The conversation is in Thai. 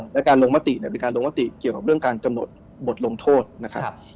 และการลงมติเนี่ยเป็นการลงมติเกี่ยวกับเรื่องการกำหนดบทลงโทษนะครับ